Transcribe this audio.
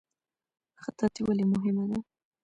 خطاطي ولې مهمه ده؟